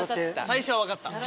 最初は分かった。